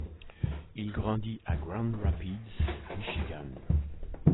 Il grandit à Grand Rapids, Michigan.